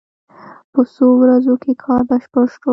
په څو ورځو کې کار بشپړ شو.